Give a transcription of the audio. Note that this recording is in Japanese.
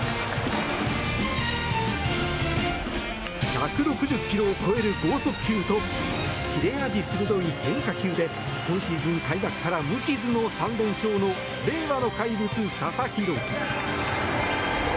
１６０ｋｍを超える豪速球と切れ味鋭い変化球で今シーズン開幕から無傷の３連勝の令和の怪物、佐々木朗希。